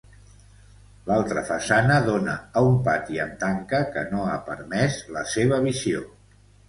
L'altra façana dóna a un pati amb tanca que no ha permès la seva visió.